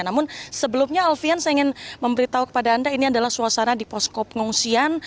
namun sebelumnya alfian saya ingin memberitahu kepada anda ini adalah suasana di posko pengungsian